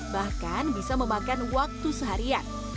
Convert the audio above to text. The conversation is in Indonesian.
bahkan bisa memakan waktu seharian